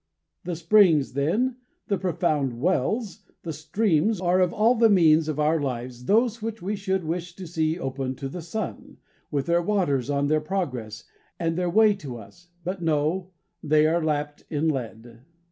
The springs, then, the profound wells, the streams, are of all the means of our lives those which we should wish to see open to the sun, with their waters on their progress and their way to us; but, no, they are lapped in lead.